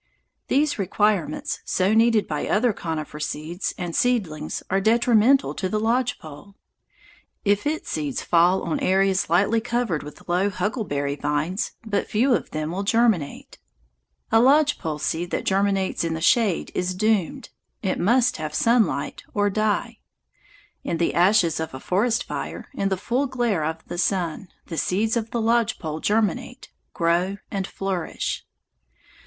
These requirements so needed by other conifer seeds and seedlings are detrimental to the lodge pole. If its seeds fall on areas lightly covered with low huckleberry vines, but few of them will germinate. A lodge pole seed that germinates in the shade is doomed. It must have sunlight or die. In the ashes of a forest fire, in the full glare of the sun, the seeds of the lodge pole germinate, grow, and flourish.